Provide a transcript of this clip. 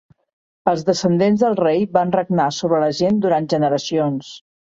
Els descendents del rei van regnar sobre la gent durant generacions.